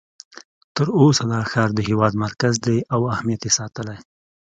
تر اوسه دا ښار د هېواد مرکز دی او اهمیت یې ساتلی.